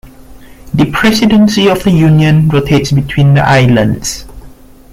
The presidency of the Union rotates between the islands.